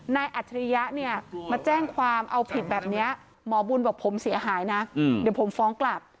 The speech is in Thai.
อัจฉริยะเนี่ยมาแจ้งความเอาผิดแบบนี้หมอบุญบอกผมเสียหายนะเดี๋ยวผมฟ้องกลับ